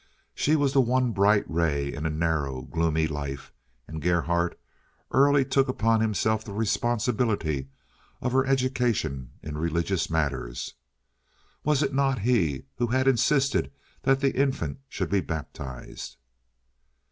She was the one bright ray in a narrow, gloomy life, and Gerhardt early took upon himself the responsibility of her education in religious matters. Was it not he who had insisted that the infant should be baptized?